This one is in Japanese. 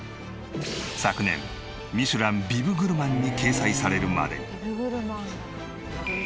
昨年『ミシュラン』ビブグルマンに掲載されるまでに。